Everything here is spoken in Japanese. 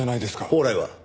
宝来は？